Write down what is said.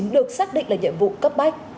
được xác định là nhiệm vụ cấp bách